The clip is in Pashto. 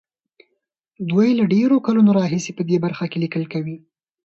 دوی له ډېرو کلونو راهيسې په دې برخه کې ليکل کوي.